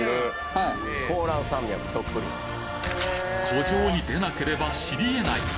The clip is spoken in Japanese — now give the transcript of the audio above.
湖上に出なければ知りえない